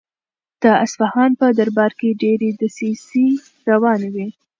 د اصفهان په دربار کې ډېرې دسیسې روانې وې.